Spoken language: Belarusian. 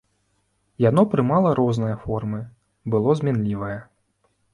Яно прымала розныя формы, было зменлівае.